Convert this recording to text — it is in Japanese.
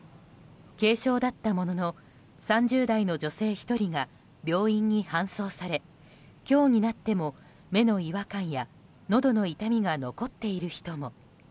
軽症だったものの、３０代の女性１人が病院に搬送され今日になっても、目の違和感やのどの痛みが残っている人も。